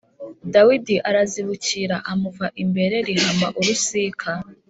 Dawidi ararizibukira amuva imbere rihama urusika.